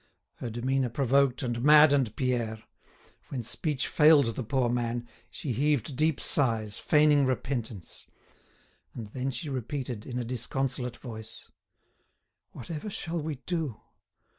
Her demeanour provoked and maddened Pierre. When speech failed the poor man, she heaved deep sighs, feigning repentance; and then she repeated, in a disconsolate voice: "Whatever shall we do!